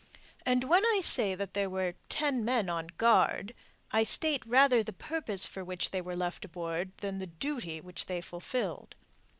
And when I say that there were ten men on guard, I state rather the purpose for which they were left aboard than the duty which they fulfilled.